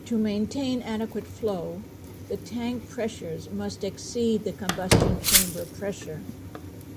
To maintain adequate flow, the tank pressures must exceed the combustion chamber pressure.